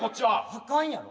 あかんやろ。